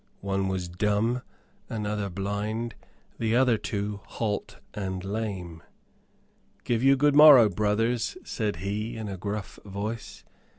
One was dumb, another blind, the other two halt and lame. "Give you good morrow, brothers," said he, in a gruff voice.